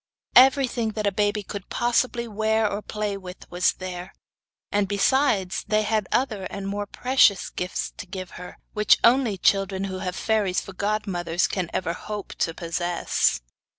Everything that a baby could possibly wear or play with was there, and besides, they had other and more precious gifts to give her, which only children who have fairies for godmothers can ever hope to possess.